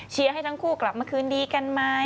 เครียมให้ทั้งคู่กลับมาคืนดีขนมั้ย